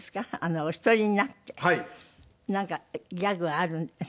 お一人になってなんかギャグはあるんです？